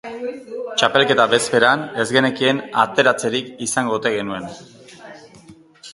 Txapelketa bezperan ez genekien ateratzerik izango ote genuen.